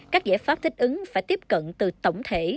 các giải pháp thích ứng phải tiếp cận từ tổng thể